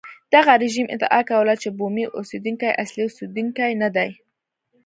دغه رژیم ادعا کوله چې بومي اوسېدونکي اصلي اوسېدونکي نه دي.